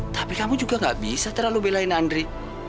tapi kamu juga gak bisa terlalu belain andri